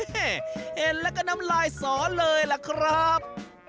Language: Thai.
เห็นแล้วก็น้ำลายสอเลยล่ะครับ